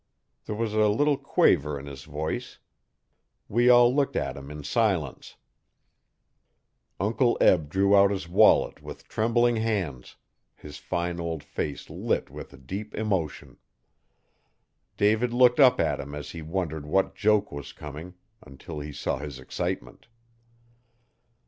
There was a little quaver in his voice, We all looked at him in silence. Uncle Eb drew out his wallet with trembling hands, his fine old face lit with a deep emotion. David looked up at him as he wondered what joke was coming, until he saw his excitement.